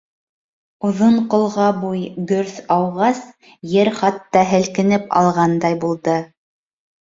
Оҙон ҡолға буй «гөрҫ» ауғас, ер хатта һелкенеп алғандай булды.